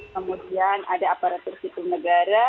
kemudian ada aparatur sipil negara